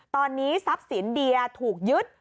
ตอนนี้ทรัพย์สินเดียถูกยึด